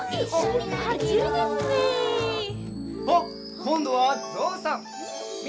こんどはぞうさん！